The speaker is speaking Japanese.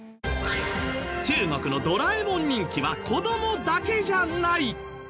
中国の『ドラえもん』人気は子どもだけじゃない！